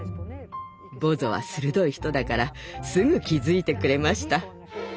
ボゾは鋭い人だからすぐ気付いてくれました。